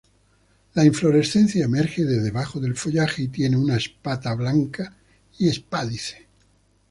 La inflorescencia emerge de debajo del follaje y tiene una espata blanca y espádice.